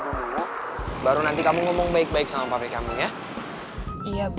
dulu baru nanti kamu ngomong baik baik sama papi kamu ya iya boy makasih ya iya sama sama ya